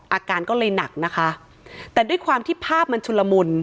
อาการก็เลยหนักนะคะแต่ด้วยความที่ภาพมันชุลมุน